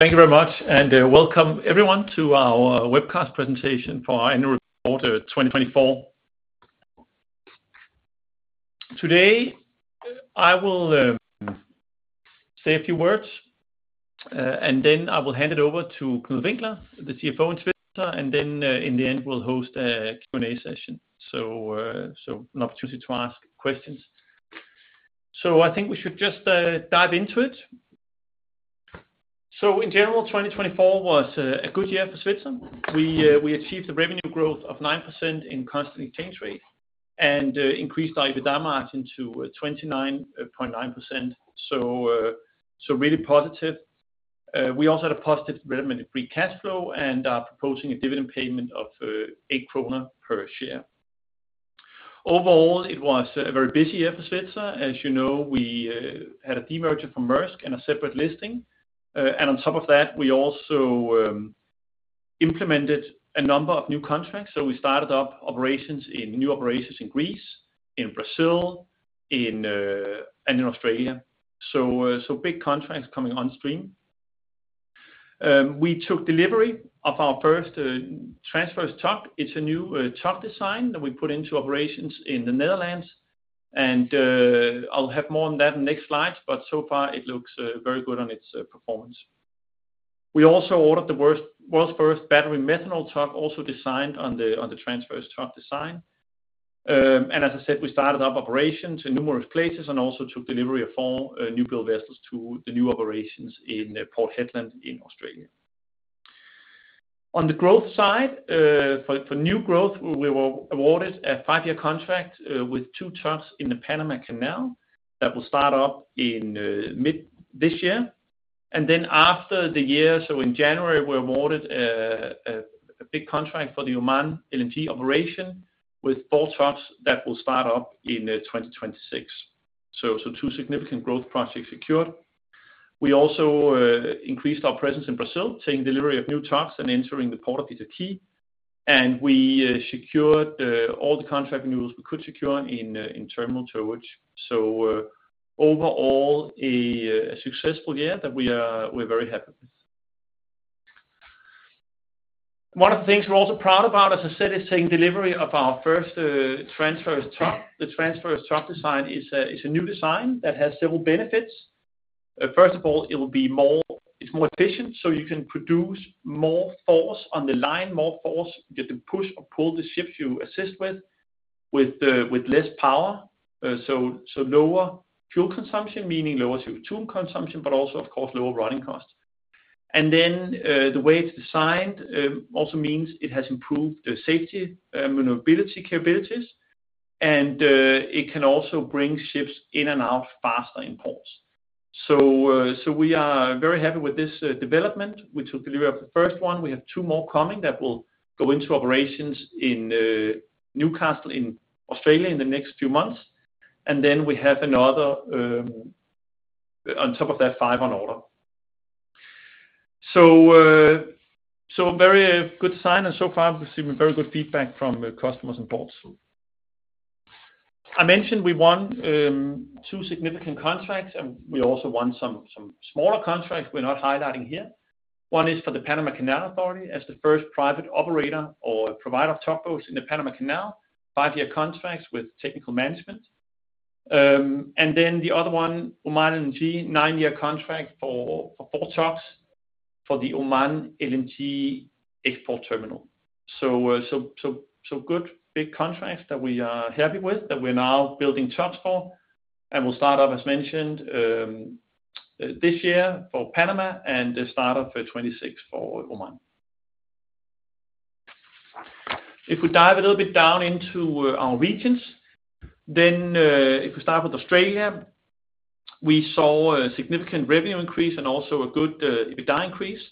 Thank you very much, and welcome everyone to our webcast presentation for Earnings Report 2024. Today I will say a few words, and then I will hand it over to Knud Winkler, the CFO in Svitzer, and then in the end we'll host a Q&A session. An opportunity to ask questions. I think we should just dive into it. In general, 2024 was a good year for Svitzer. We achieved a revenue growth of 9% in constant exchange rate and increased our EBITDA margin to 29.9%. Really positive. We also had a positive revenue, free cash flow and are proposing a dividend payment of 8 kroner per share. Overall, it was a very busy year for Svitzer. As you know, we had a demerger from Maersk and a separate listing. On top of that, we also implemented a number of new contracts. We started up operations in new operations in Greece, in Brazil, and in Australia. Big contracts coming on stream. We took delivery of our first TRAnsverse Tug. It's a new tug design that we put into operations in the Netherlands. I'll have more on that in the next slides, but so far it looks very good on its performance. We also ordered the world's first battery methanol tug, also designed on the TRAnsverse Tug design. As I said, we started up operations in numerous places and also took delivery of four new build vessels to the new operations in Port Hedland in Australia. On the growth side, for new growth, we were awarded a five-year contract with two tugs in the Panama Canal that will start up in mid this year. After the year, in January, we awarded a big contract for the Oman LNG operation with four tugs that will start up in 2026. Two significant growth projects were secured. We also increased our presence in Brazil, taking delivery of new tugs and entering the Port of Itaqui. We secured all the contract renewals we could secure in terminal towage. Overall, a successful year that we are very happy with. One of the things we're also proud about, as I said, is taking delivery of our first TRAnsverse Tug. The TRAnsverse Tug design is a new design that has several benefits. First of all, it will be more efficient, so you can produce more force on the line, more force to push or pull the ships you assist with, with less power. Lower fuel consumption means lower CO2 consumption, but also, of course, lower running costs. The way it is designed also means it has improved safety, maneuverability, capabilities, and it can also bring ships in and out faster in ports. We are very happy with this development. We took delivery of the first one. We have two more coming that will go into operations in Newcastle in Australia in the next few months. We have another on top of that, five on order. Very good design, and so far we have received very good feedback from customers and ports. I mentioned we won two significant contracts, and we also won some smaller contracts we are not highlighting here. One is for the Panama Canal Authority as the first private operator or provider of tugboats in the Panama Canal, five-year contracts with technical management. The other one, Oman LNG, nine-year contract for four tugs for the Oman LNG export terminal. Good, big contracts that we are happy with, that we're now building tugs for. We'll start up, as mentioned, this year for Panama and start up for 2026 for Oman. If we dive a little bit down into our regions, then if we start with Australia, we saw a significant revenue increase and also a good EBITDA increase,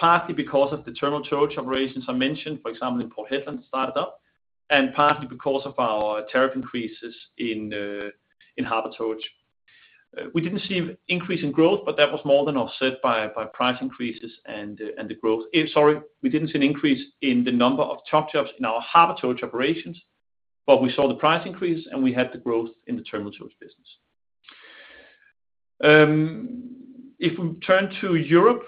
partly because of the terminal towage operations I mentioned, for example, in Port Hedland started up, and partly because of our tariff increases in harbor towage. We didn't see an increase in growth, but that was more than offset by price increases and the growth. Sorry, we did not see an increase in the number of tug jobs in our harbor towage operations, but we saw the price increases and we had the growth in the terminal towage business. If we turn to Europe,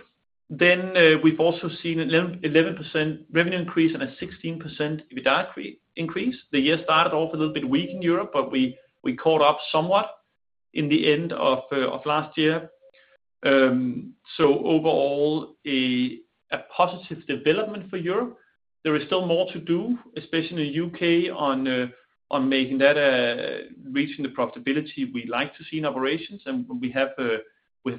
then we have also seen an 11% revenue increase and a 16% EBITDA increase. The year started off a little bit weak in Europe, but we caught up somewhat in the end of last year. Overall, a positive development for Europe. There is still more to do, especially in the U.K., on making that reaching the profitability we like to see in operations. We have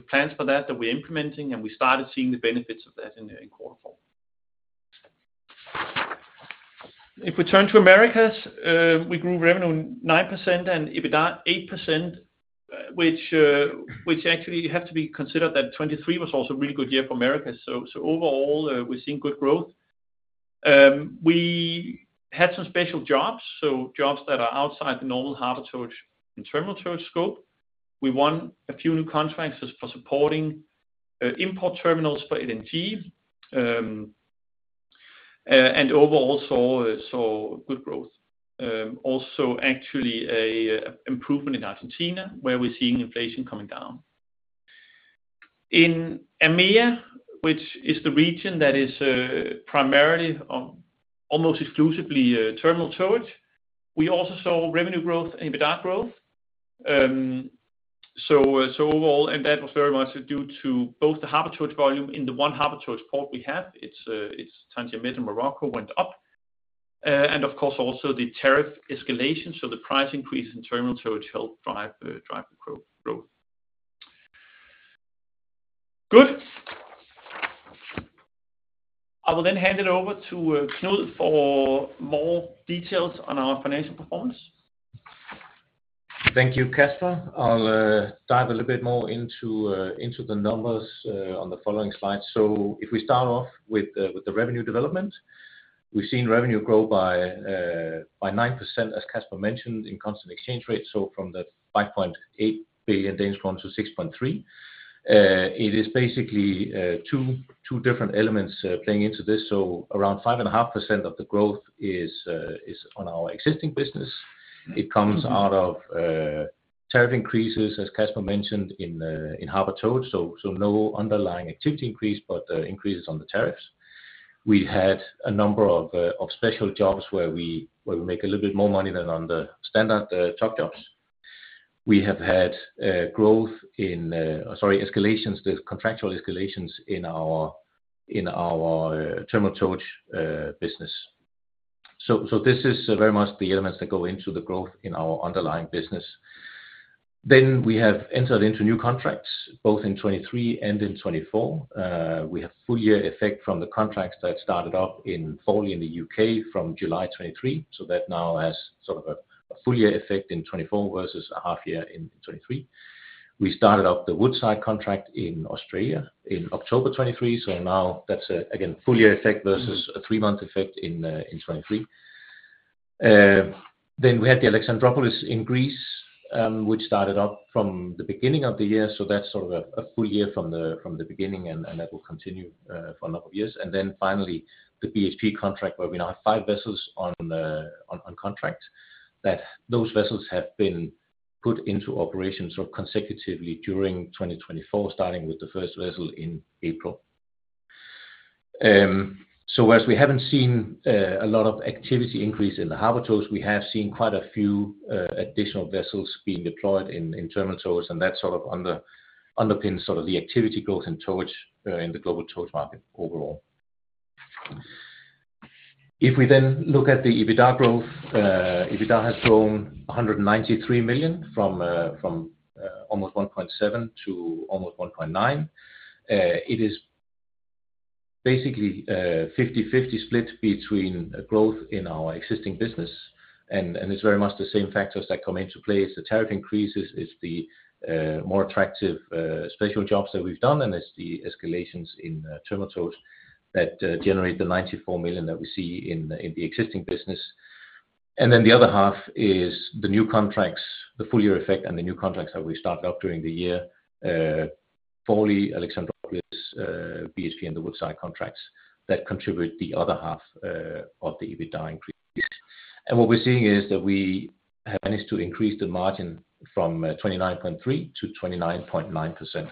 plans for that that we are implementing, and we started seeing the benefits of that in quarter four. If we turn to Americas, we grew revenue 9% and EBITDA 8%, which actually has to be considered that 2023 was also a really good year for Americas. Overall, we've seen good growth. We had some special jobs, jobs that are outside the normal harbor towage and terminal towage scope. We won a few new contracts for supporting import terminals for LNG. Overall, saw good growth. Also, actually an improvement in Argentina, where we're seeing inflation coming down. In EMEA, which is the region that is primarily almost exclusively terminal towage, we also saw revenue growth and EBITDA growth. That was very much due to both the harbor towage volume in the one harbor towage port we have, it's Tanger Med, Morocco, went up. Of course, also the tariff escalation, the price increases in terminal towage helped drive the growth. Good. I will then hand it over to Knud for more details on our financial performance. Thank you, Kasper. I'll dive a little bit more into the numbers on the following slides. If we start off with the revenue development, we've seen revenue grow by 9%, as Kasper mentioned, in constant exchange rate. From the 5.8 billion Danish kroner to 6.3 billion. It is basically two different elements playing into this. Around 5.5% of the growth is on our existing business. It comes out of tariff increases, as Kasper mentioned, in harbor towage. No underlying activity increase, but increases on the tariffs. We had a number of special jobs where we make a little bit more money than on the standard tug jobs. We have had growth in, sorry, escalations, the contractual escalations in our terminal towage business. This is very much the elements that go into the growth in our underlying business. We have entered into new contracts, both in 2023 and in 2024. We have full year effect from the contracts that started up in fall in the U.K. from July 2023. That now has sort of a full year effect in 2024 versus a half year in 2023. We started up the Woodside contract in Australia in October 2023. That is again full year effect versus a three-month effect in 2023. We had the Alexandroupolis in Greece, which started up from the beginning of the year. That is sort of a full year from the beginning, and that will continue for a number of years. Finally, the BHP contract where we now have five vessels on contract. Those vessels have been put into operation consecutively during 2024, starting with the first vessel in April. Whereas we haven't seen a lot of activity increase in the harbor towage, we have seen quite a few additional vessels being deployed in terminal towage, and that sort of underpins the activity growth in towage in the global towage market overall. If we then look at the EBITDA growth, EBITDA has grown 193 million from almost 1.7 billion to almost 1.9 billion. It is basically a 50-50 split between growth in our existing business, and it's very much the same factors that come into play. It's the tariff increases, it's the more attractive special jobs that we've done, and it's the escalations in terminal towage that generate the 94 million that we see in the existing business. The other half is the new contracts, the full year effect, and the new contracts that we started up during the year, fully Alexandroupolis, BHP, and the Woodside contracts that contribute the other half of the EBITDA increase. What we're seeing is that we have managed to increase the margin from 29.3% to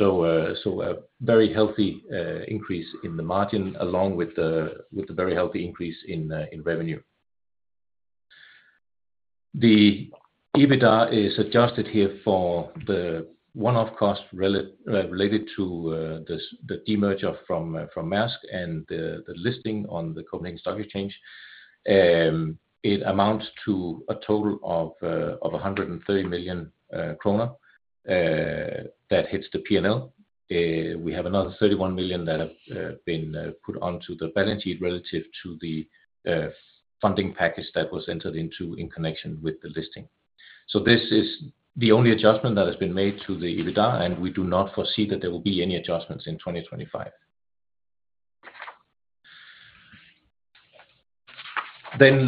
29.9%. A very healthy increase in the margin along with the very healthy increase in revenue. The EBITDA is adjusted here for the one-off cost related to the demerger from Maersk and the listing on the Copenhagen Stock Exchange. It amounts to a total of 130 million kroner that hits the P&L. We have another 31 million that have been put onto the balance sheet relative to the funding package that was entered into in connection with the listing. This is the only adjustment that has been made to the EBITDA, and we do not foresee that there will be any adjustments in 2025.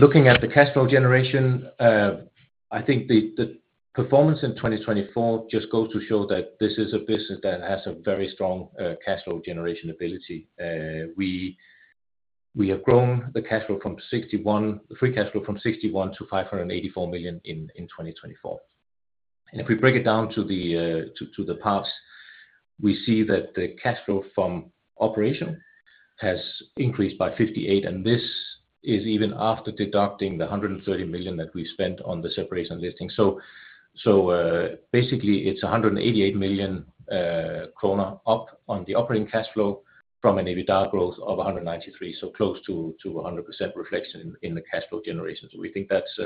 Looking at the cash flow generation, I think the performance in 2024 just goes to show that this is a business that has a very strong cash flow generation ability. We have grown the cash flow from 61 million, the free cash flow from 61 million to 584 million in 2024. If we break it down to the parts, we see that the cash flow from operation has increased by 58 million, and this is even after deducting the 130 million that we spent on the separation listing. Basically, it is 188 million kroner up on the operating cash flow from an EBITDA growth of 193 million, so close to 100% reflection in the cash flow generation. We think that's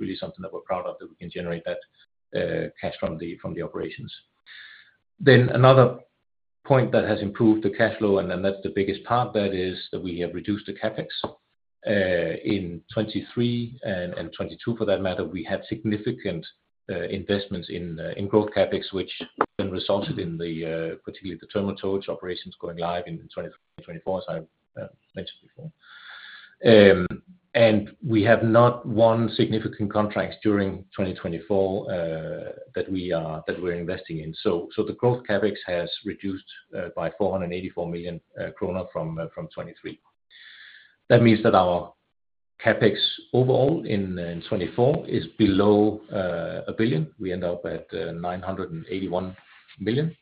really something that we're proud of, that we can generate that cash from the operations. Another point that has improved the cash flow, and that's the biggest part, is that we have reduced the CapEx. In 2023 and 2022, for that matter, we had significant investments in growth CapEx, which then resulted in particularly the terminal towage operations going live in 2024, as I mentioned before. We have not won significant contracts during 2024 that we are investing in. The growth CapEx has reduced by 484 million kroner from 2023. That means that our CapEx overall in 2024 is below a billion. We end up at 981 million,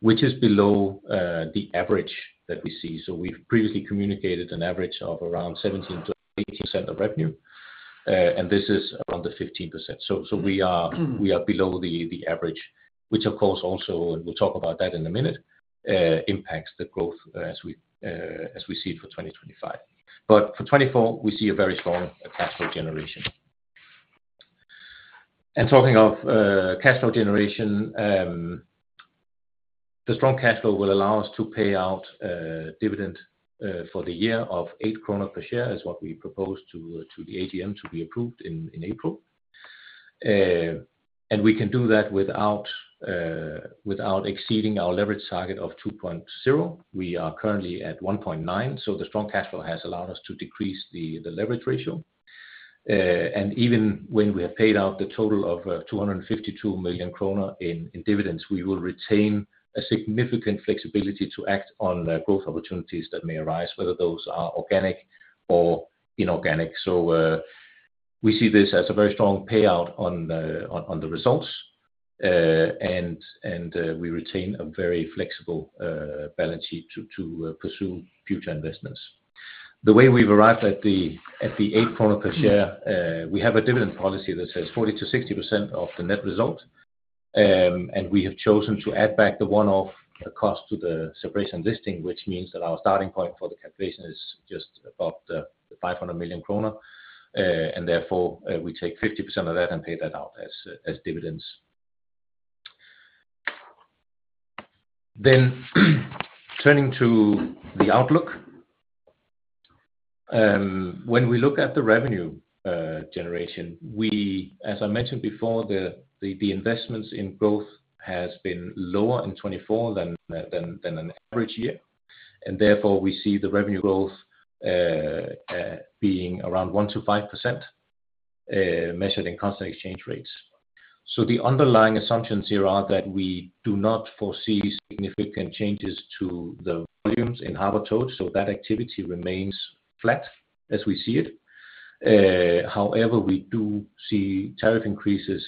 which is below the average that we see. We have previously communicated an average of around 17%-18% of revenue, and this is under 15%. We are below the average, which of course also, and we'll talk about that in a minute, impacts the growth as we see it for 2025. For 2024, we see a very strong cash flow generation. Talking of cash flow generation, the strong cash flow will allow us to pay out dividend for the year of 8 kroner per share, which is what we proposed to the AGM to be approved in April. We can do that without exceeding our leverage target of 2.0. We are currently at 1.9, so the strong cash flow has allowed us to decrease the leverage ratio. Even when we have paid out the total of 252 million kroner in dividends, we will retain a significant flexibility to act on growth opportunities that may arise, whether those are organic or inorganic. We see this as a very strong payout on the results, and we retain a very flexible balance sheet to pursue future investments. The way we've arrived at the 8 per share, we have a dividend policy that says 40-60% of the net result, and we have chosen to add back the one-off cost to the separation listing, which means that our starting point for the calculation is just above 500 million kroner, and therefore we take 50% of that and pay that out as dividends. Turning to the outlook, when we look at the revenue generation, as I mentioned before, the investments in growth have been lower in 2024 than an average year, and therefore we see the revenue growth being around 1-5% measured in constant exchange rates. The underlying assumptions here are that we do not foresee significant changes to the volumes in harbor towage, so that activity remains flat as we see it. However, we do see tariff increases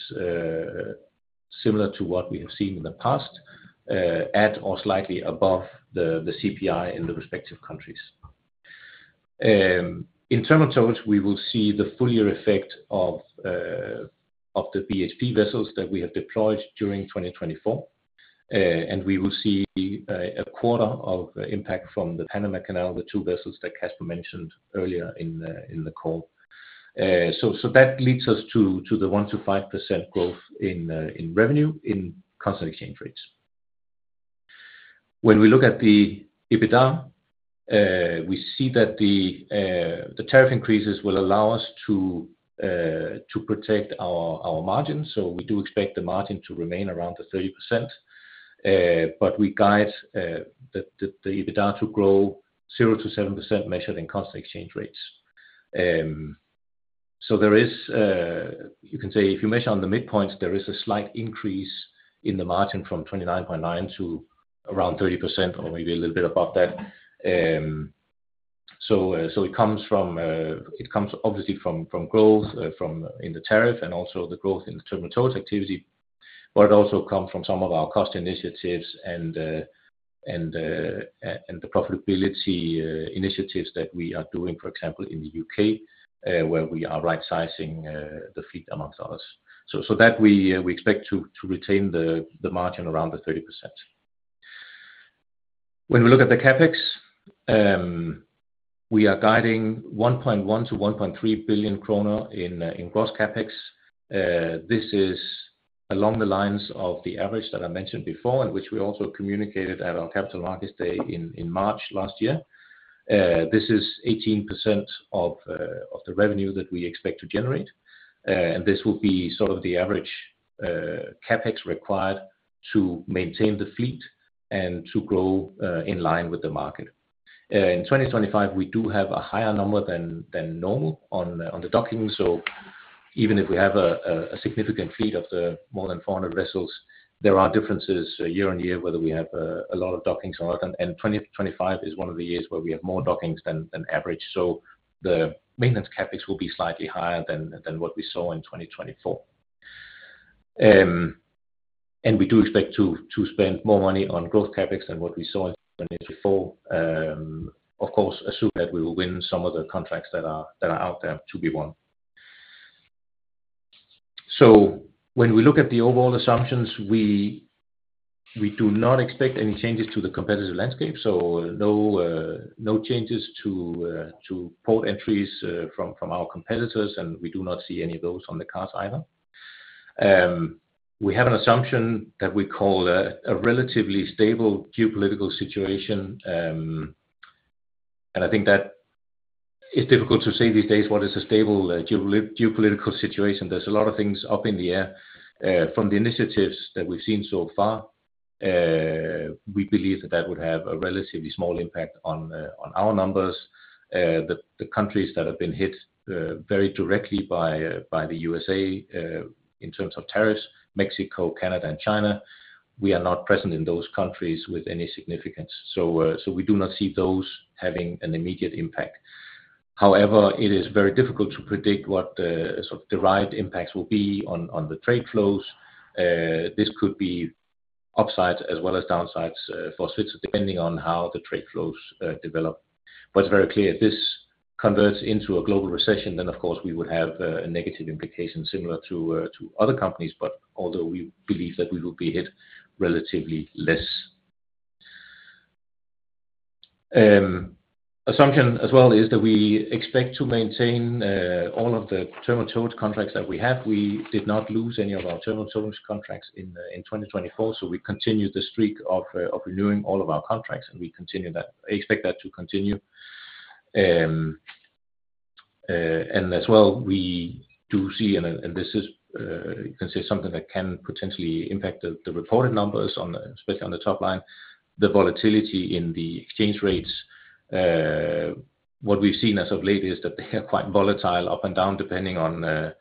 similar to what we have seen in the past, at or slightly above the CPI in the respective countries. In terminal towage, we will see the full year effect of the BHP vessels that we have deployed during 2024, and we will see a quarter of impact from the Panama Canal, the two vessels that Kasper mentioned earlier in the call. That leads us to the 1-5% growth in revenue in constant exchange rates. When we look at the EBITDA, we see that the tariff increases will allow us to protect our margin. We do expect the margin to remain around the 30%, but we guide the EBITDA to grow 0-7% measured in constant exchange rates. There is, you can say, if you measure on the midpoint, a slight increase in the margin from 29.9% to around 30% or maybe a little bit above that. It comes obviously from growth in the tariff and also the growth in the terminal towage activity, but it also comes from some of our cost initiatives and the profitability initiatives that we are doing, for example, in the U.K., where we are right-sizing the fleet amongst others. We expect to retain the margin around the 30%. When we look at the CapEx, we are guiding 1.1-1.3 billion kroner in gross CapEx. This is along the lines of the average that I mentioned before, in which we also communicated at our Capital Markets Day in March last year. This is 18% of the revenue that we expect to generate, and this will be sort of the average CapEx required to maintain the fleet and to grow in line with the market. In 2025, we do have a higher number than normal on the docking. Even if we have a significant fleet of more than 400 vessels, there are differences year on year whether we have a lot of dockings or not, and 2025 is one of the years where we have more dockings than average. The maintenance CapEx will be slightly higher than what we saw in 2024. We do expect to spend more money on growth CapEx than what we saw in 2024, of course, assuming that we will win some of the contracts that are out there to be won. When we look at the overall assumptions, we do not expect any changes to the competitive landscape, so no changes to port entries from our competitors, and we do not see any of those on the cards either. We have an assumption that we call a relatively stable geopolitical situation, and I think that it's difficult to say these days what is a stable geopolitical situation. There's a lot of things up in the air. From the initiatives that we've seen so far, we believe that that would have a relatively small impact on our numbers. The countries that have been hit very directly by the U.S.A. in terms of tariffs, Mexico, Canada, and China, we are not present in those countries with any significance. We do not see those having an immediate impact. However, it is very difficult to predict what the right impacts will be on the trade flows. This could be upsides as well as downsides for Svitzer, depending on how the trade flows develop. It is very clear if this converts into a global recession, then of course we would have a negative implication similar to other companies, although we believe that we will be hit relatively less. Assumption as well is that we expect to maintain all of the terminal towage contracts that we have. We did not lose any of our terminal towage contracts in 2024, so we continue the streak of renewing all of our contracts, and we expect that to continue. We do see, and this is, you can say, something that can potentially impact the reported numbers, especially on the top line, the volatility in the exchange rates. What we've seen as of late is that they are quite volatile, up and down, depending on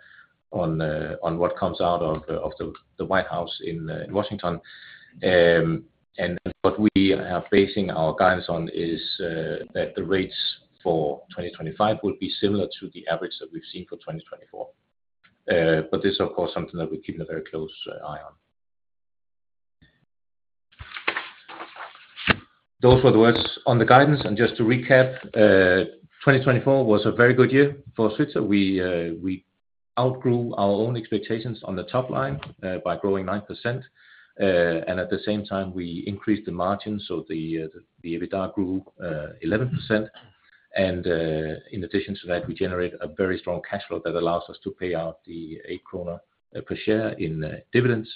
what comes out of the White House in Washington. What we are basing our guidance on is that the rates for 2025 will be similar to the average that we've seen for 2024. This is, of course, something that we keep a very close eye on. Those were the words on the guidance, and just to recap, 2024 was a very good year for Svitzer. We outgrew our own expectations on the top line by growing 9%, and at the same time, we increased the margin, so the EBITDA grew 11%. In addition to that, we generated a very strong cash flow that allows us to pay out 8 kroner per share in dividends.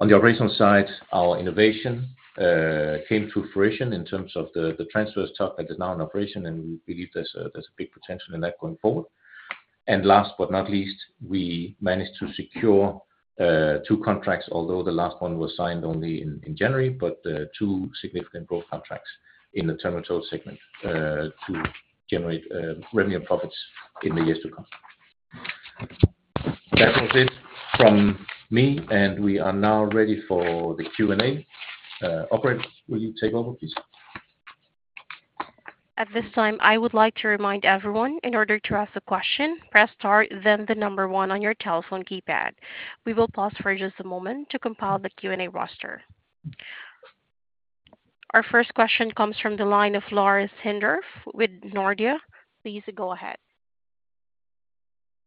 On the operational side, our innovation came to fruition in terms of the TRAnsverse Tug that is now in operation, and we believe there is a big potential in that going forward. Last but not least, we managed to secure two contracts, although the last one was signed only in January, but two significant growth contracts in the terminal towage segment to generate revenue and profits in the years to come. That was it from me, and we are now ready for the Q&A. Operator, will you take over, please? At this time, I would like to remind everyone, in order to ask a question, press star, then the number one on your telephone keypad. We will pause for just a moment to compile the Q&A roster. Our first question comes from the line of Lars Heindorff with Nordea. Please go ahead.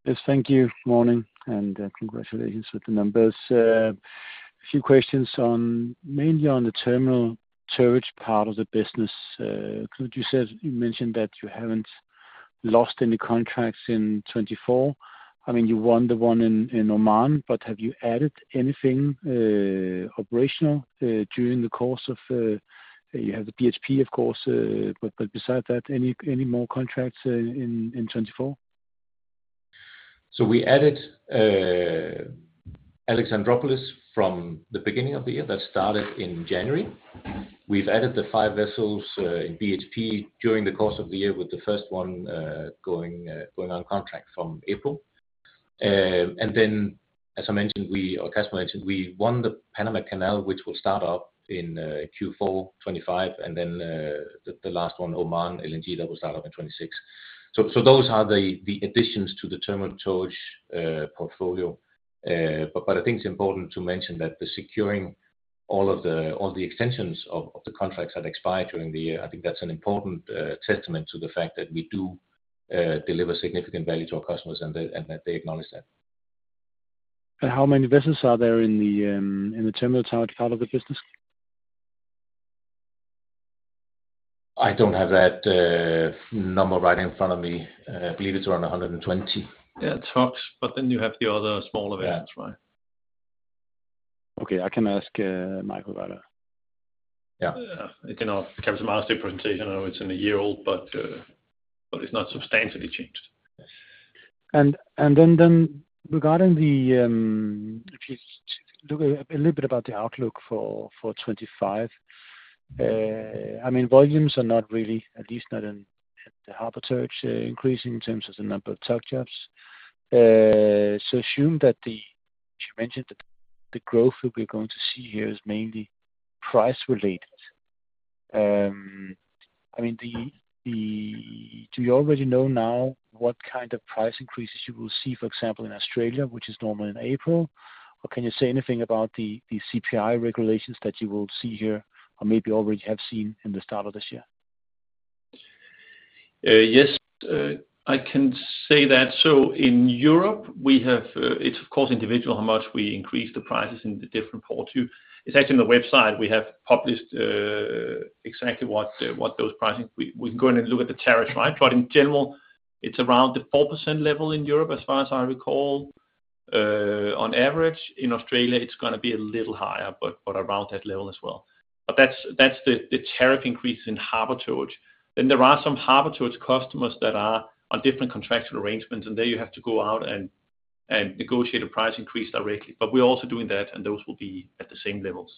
Yes, thank you. Morning, and congratulations with the numbers. A few questions mainly on the terminal towage part of the business. You mentioned that you haven't lost any contracts in 2024. I mean, you won the one in Oman, but have you added anything operational during the course of you have the BHP, of course, but beside that, any more contracts in 2024? We added Alexandroupolis from the beginning of the year that started in January. We've added the five vessels in BHP during the course of the year, with the first one going on contract from April. As I mentioned, or Kasper mentioned, we won the Panama Canal, which will start up in Q4 2025, and the last one, Oman LNG, that will start up in 2026. Those are the additions to the terminal towage portfolio. I think it's important to mention that securing all of the extensions of the contracts that expire during the year, I think that's an important testament to the fact that we do deliver significant value to our customers and that they acknowledge that. How many vessels are there in the terminal towage part of the business? I don't have that number right in front of me. I believe it's around 120. Yeah, it's Fox, but then you have the other smaller vessels, right? Yeah. Okay, I can ask Michael about that. Yeah. It's in our Kasper Nilaus' presentation. I know it's a year old, but it's not substantially changed. Regarding the, if you look a little bit about the outlook for 2025, I mean, volumes are not really, at least not in the harbor towage, increasing in terms of the number of tug jobs. I assume that you mentioned that the growth that we're going to see here is mainly price-related. I mean, do you already know now what kind of price increases you will see, for example, in Australia, which is normal in April? Can you say anything about the CPI regulations that you will see here or maybe already have seen in the start of this year? Yes, I can say that. In Europe, it's of course individual how much we increase the prices in the different ports. It's actually on the website. We have published exactly what those pricing, we can go in and look at the tariffs, right? In general, it's around the 4% level in Europe, as far as I recall. On average, in Australia, it's going to be a little higher, but around that level as well. That's the tariff increases in harbor towage. There are some harbor towage customers that are on different contractual arrangements, and there you have to go out and negotiate a price increase directly. We're also doing that, and those will be at the same levels.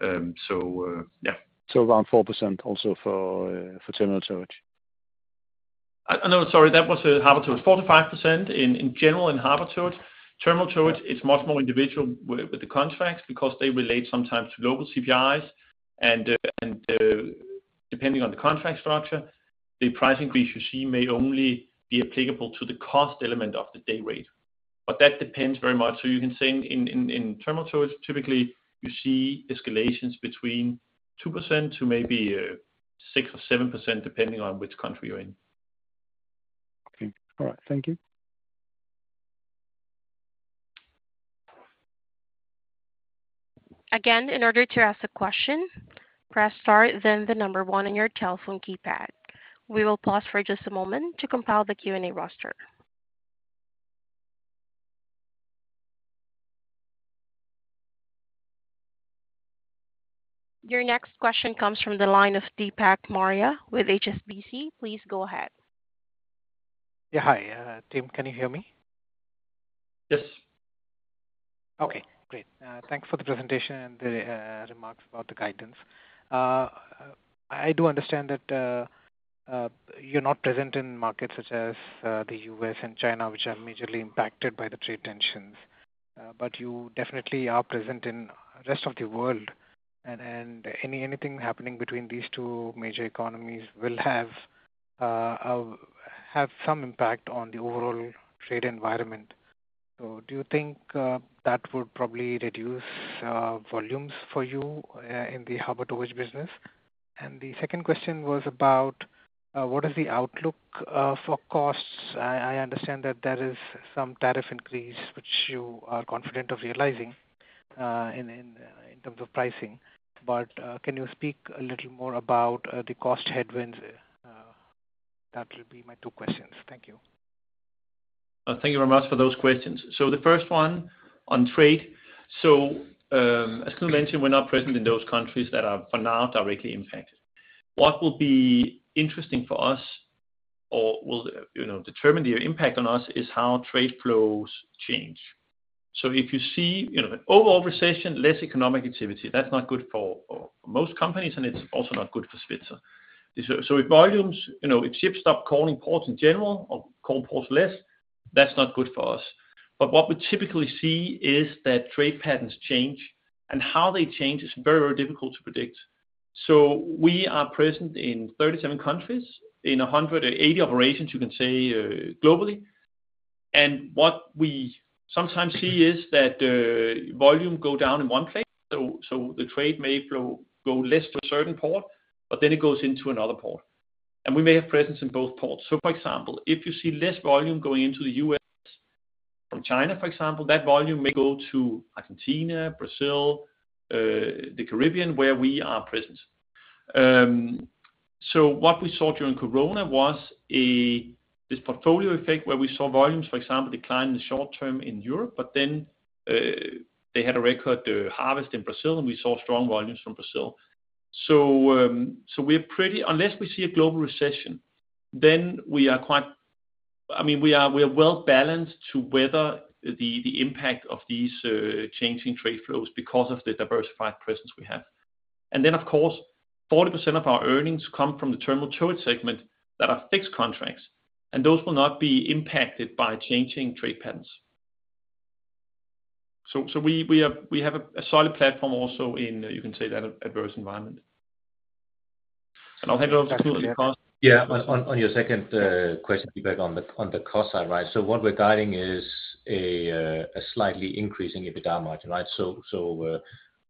Yeah. Around 4% also for terminal towage? No, sorry, that was harbor towage. 4 to 5% in general in harbor towage. Terminal towage, it's much more individual with the contracts because they relate sometimes to local CPIs, and depending on the contract structure, the price increase you see may only be applicable to the cost element of the day rate. That depends very much. You can say in terminal towage, typically you see escalations between 2% to maybe 6 to 7% depending on which country you're in. Okay. All right. Thank you. Again, in order to ask a question, press Start, then the number one on your telephone keypad. We will pause for just a moment to compile the Q&A roster. Your next question comes from the line of Deepak Maurya with HSBC. Please go ahead. Yeah. Hi, Tim. Can you hear me? Yes. Okay. Great. Thanks for the presentation and the remarks about the guidance. I do understand that you're not present in markets such as the U.S. and China, which are majorly impacted by the trade tensions, but you definitely are present in the rest of the world, and anything happening between these two major economies will have some impact on the overall trade environment. Do you think that would probably reduce volumes for you in the harbor towage business? The second question was about what is the outlook for costs? I understand that there is some tariff increase, which you are confident of realizing in terms of pricing, but can you speak a little more about the cost headwinds? That will be my two questions. Thank you. Thank you very much for those questions. The first one on trade. As Knud mentioned, we're not present in those countries that are now directly impacted. What will be interesting for us or will determine the impact on us is how trade flows change. If you see an overall recession, less economic activity, that's not good for most companies, and it's also not good for Svitzer. With volumes, if ships stop calling ports in general or call ports less, that's not good for us. What we typically see is that trade patterns change, and how they change is very, very difficult to predict. We are present in 37 countries, in 180 operations, you can say, globally. What we sometimes see is that volume goes down in one place, so the trade may flow go less to a certain port, but then it goes into another port. We may have presence in both ports. For example, if you see less volume going into the U.S. from China, for example, that volume may go to Argentina, Brazil, the Caribbean, where we are present. What we saw during Corona was this portfolio effect where we saw volumes, for example, decline in the short term in Europe, but then they had a record harvest in Brazil, and we saw strong volumes from Brazil. I mean, unless we see a global recession, we are quite, I mean, we are well balanced to weather the impact of these changing trade flows because of the diversified presence we have. Of course, 40% of our earnings come from the terminal towage segment that are fixed contracts, and those will not be impacted by changing trade patterns. We have a solid platform also in, you can say, that adverse environment. I'll hand it over to Knud Winkler. Yeah. On your second question, Deepak, on the cost side, right? What we're guiding is a slightly increasing EBITDA margin, right?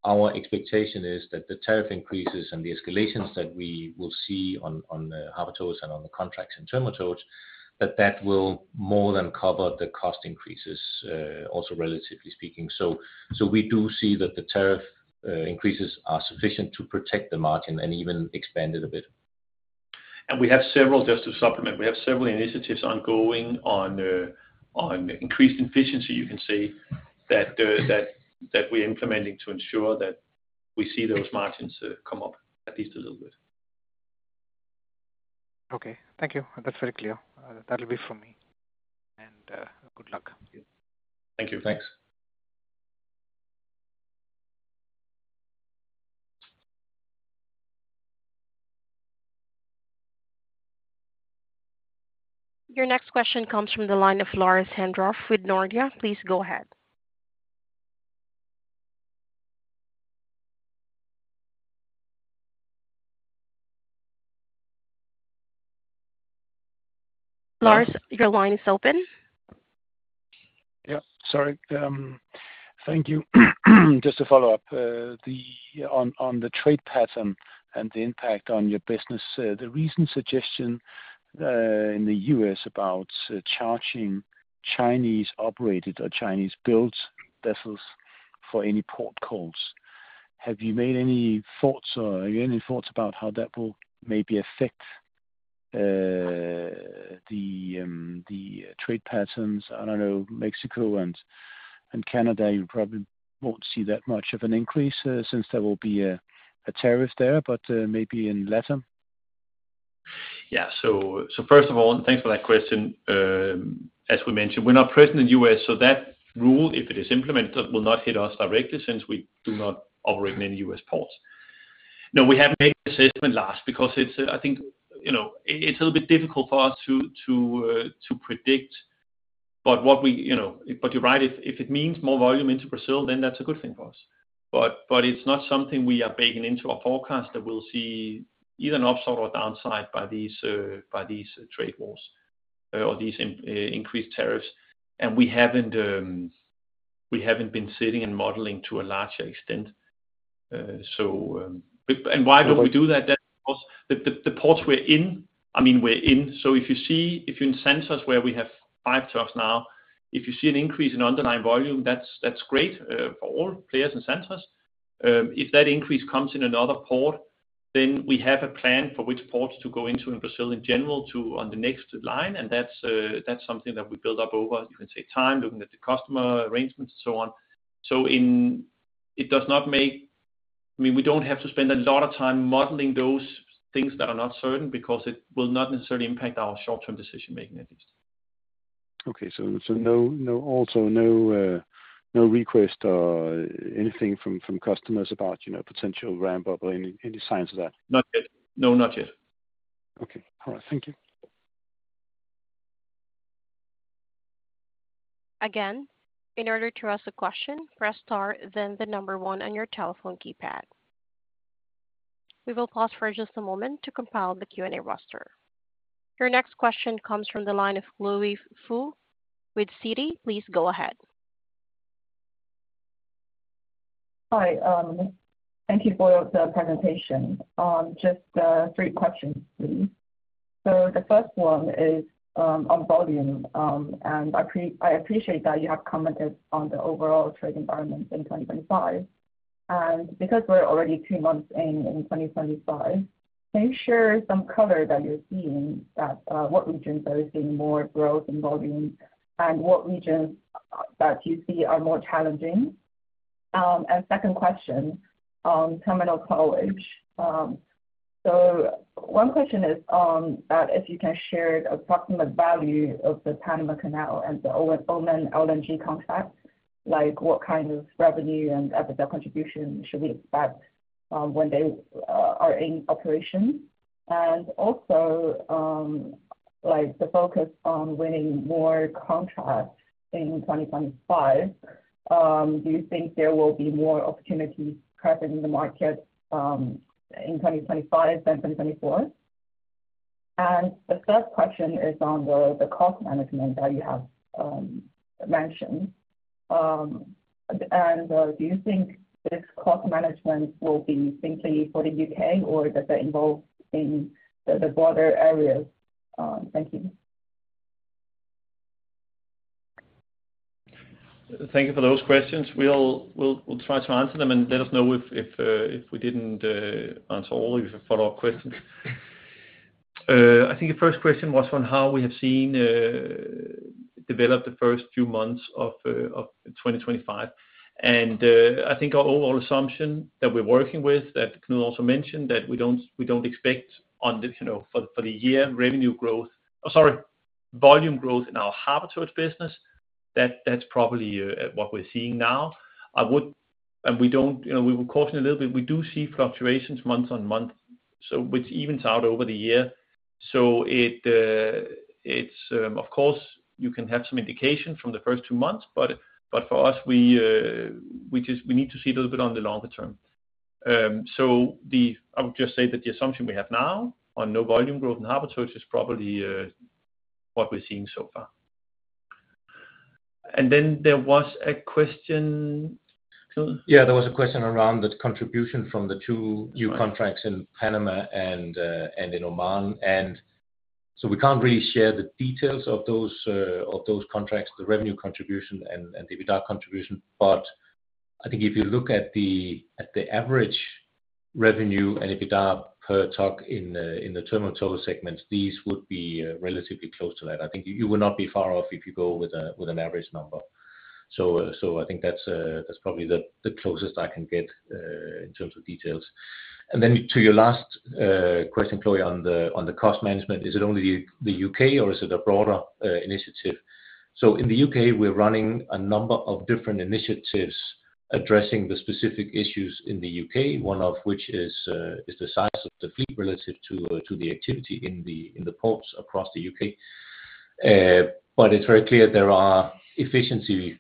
Our expectation is that the tariff increases and the escalations that we will see on harbor towage and on the contracts in terminal towage, that that will more than cover the cost increases, also relatively speaking. We do see that the tariff increases are sufficient to protect the margin and even expand it a bit. We have several, just to supplement, we have several initiatives ongoing on increased efficiency, you can say, that we're implementing to ensure that we see those margins come up at least a little bit. Okay. Thank you. That's very clear. That will be from me. Good luck. Thank you. Thanks. Your next question comes from the line of Lars Heindorff with Nordea. Please go ahead. Lars, your line is open. Yeah. Sorry. Thank you. Just to follow up on the trade pattern and the impact on your business, the recent suggestion in the U.S. about charging Chinese-operated or Chinese-built vessels for any port calls, have you made any thoughts or any thoughts about how that will maybe affect the trade patterns? I do not know. Mexico and Canada, you probably will not see that much of an increase since there will be a tariff there, but maybe in latter? Yeah. First of all, thanks for that question. As we mentioned, we are not present in the U.S., so that rule, if it is implemented, will not hit us directly since we do not operate many U.S. ports. No, we have made the assessment last because I think it's a little bit difficult for us to predict. You are right. If it means more volume into Brazil, then that's a good thing for us. It is not something we are baking into our forecast that we'll see either an upside or a downside by these trade wars or these increased tariffs. We haven't been sitting and modeling to a larger extent. Why don't we do that? That's because the ports we're in, I mean, we're in. If you see, if you're in Santos, where we have five tugs now, if you see an increase in underlying volume, that's great for all players in Santos. If that increase comes in another port, then we have a plan for which ports to go into in Brazil in general on the next line, and that's something that we build up over, you can say, time, looking at the customer arrangements, and so on. It does not make, I mean, we don't have to spend a lot of time modeling those things that are not certain because it will not necessarily impact our short-term decision-making at least. Okay. Also, no request or anything from customers about potential ramp-up or any signs of that? Not yet. No, not yet. Okay. All right. Thank you. Again, in order to ask a question, press Star, then the number one on your telephone keypad. We will pause for just a moment to compile the Q&A roster. Your next question comes from the line of Chloe Foo with Citi. Please go ahead. Hi. Thank you for the presentation. Just three questions, please. The first one is on volume, and I appreciate that you have commented on the overall trade environment in 2025. Because we're already two months in 2025, can you share some color that you're seeing, what regions are you seeing more growth in volume, and what regions that you see are more challenging? The second question, terminal towage. One question is if you can share the approximate value of the Panama Canal and the Oman LNG contract, like what kind of revenue and capital contribution should we expect when they are in operation? Also, the focus on winning more contracts in 2025, do you think there will be more opportunities present in the market in 2025 than 2024? The third question is on the cost management that you have mentioned. Do you think this cost management will be simply for the U.K., or does it involve in the broader areas? Thank you. Thank you for those questions. We'll try to answer them and let us know if we didn't answer all of your follow-up questions. I think your first question was on how we have seen develop the first few months of 2025. I think our overall assumption that we're working with, that Knud also mentioned, that we don't expect for the year revenue growth or, sorry, volume growth in our harbor towage business, that's probably what we're seeing now. We were cautioning a little bit. We do see fluctuations month on month, which evens out over the year. Of course, you can have some indication from the first two months, but for us, we need to see a little bit on the longer term. I would just say that the assumption we have now on no volume growth in harbor towage is probably what we're seeing so far. There was a question, Knud? Yeah. There was a question around the contribution from the two new contracts in Panama and in Oman. We can't really share the details of those contracts, the revenue contribution and the EBITDA contribution. I think if you look at the average revenue and EBITDA per tug in the terminal towage segments, these would be relatively close to that. I think you will not be far off if you go with an average number. I think that's probably the closest I can get in terms of details. To your last question, Chloe, on the cost management, is it only the U.K., or is it a broader initiative? In the U.K., we are running a number of different initiatives addressing the specific issues in the U.K., one of which is the size of the fleet relative to the activity in the ports across the U.K. It is very clear there are efficiency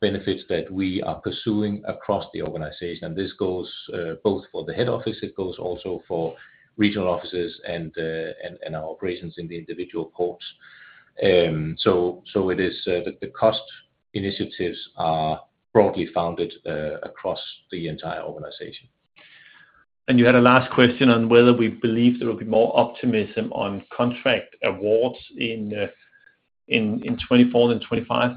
benefits that we are pursuing across the organization. This goes both for the head office. It goes also for regional offices and our operations in the individual ports. The cost initiatives are broadly founded across the entire organization. You had a last question on whether we believe there will be more optimism on contract awards in 2024 than 2025.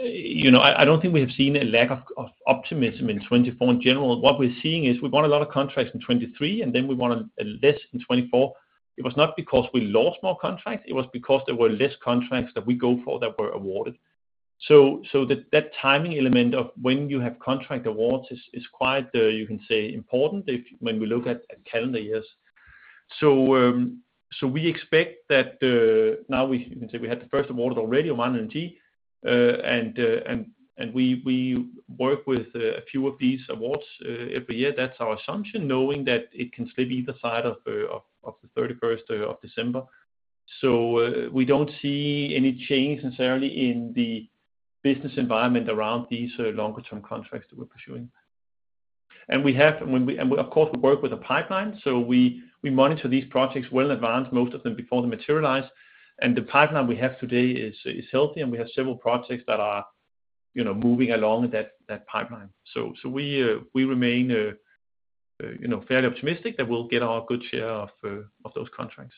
I do not think we have seen a lack of optimism in 2024 in general. What we're seeing is we won a lot of contracts in 2023, and then we won less in 2024. It was not because we lost more contracts. It was because there were less contracts that we go for that were awarded. That timing element of when you have contract awards is quite, you can say, important when we look at calendar years. We expect that now we can say we had the first award already of Oman LNG, and we work with a few of these awards every year. That's our assumption, knowing that it can slip either side of the 31st of December. We don't see any change necessarily in the business environment around these longer-term contracts that we're pursuing. We have, of course, we work with a pipeline. We monitor these projects well in advance, most of them before they materialize. The pipeline we have today is healthy, and we have several projects that are moving along that pipeline. We remain fairly optimistic that we'll get our good share of those contracts.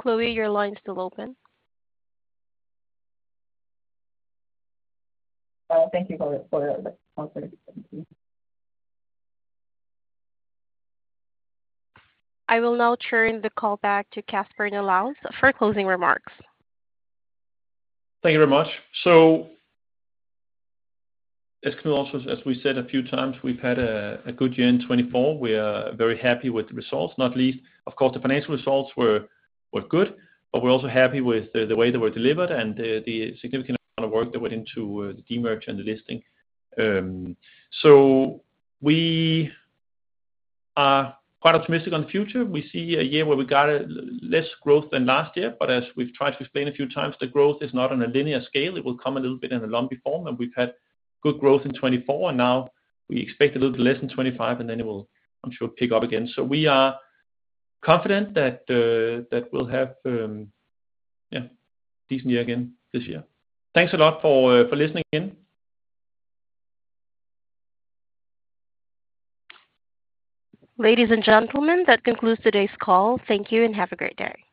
Chloe, your line is still open. Thank you for the answers. I will now turn the call back to Kasper Nilaus for closing remarks. Thank you very much. As Knud has always said a few times, we've had a good year in 2024. We are very happy with the results, not least. Of course, the financial results were good, but we're also happy with the way they were delivered and the significant amount of work that went into the demerger and the listing. We are quite optimistic on the future. We see a year where we got less growth than last year. As we've tried to explain a few times, the growth is not on a linear scale. It will come a little bit in a lumpy form. We've had good growth in 2024, and now we expect a little bit less in 2025, and it will, I'm sure, pick up again. We are confident that we'll have a decent year again this year. Thanks a lot for listening in. Ladies and gentlemen, that concludes today's call. Thank you and have a great day.